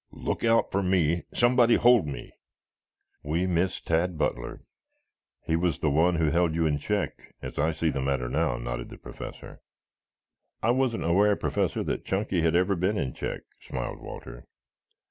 Look out for me. Somebody hold me!" "We miss Tad Butler. He was the one who held you in check, as I see the matter now," nodded the Professor. "I wasn't aware, Professor, that Chunky had ever been in check," smiled Walter.